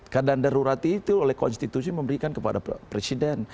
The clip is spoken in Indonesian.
keadaan darurat itu oleh konstitusi memberikan kepada presiden